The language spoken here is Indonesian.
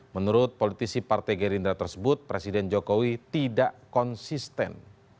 menurut politisi partai gerindra tersebut presiden jokowi tidak konsisten